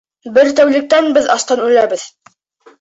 Бер тәүлектән беҙ астан үләбеҙ!